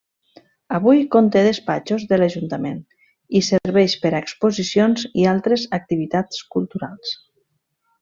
Avui conté despatxos de l'ajuntament i serveix per a exposicions i altres activitats culturals.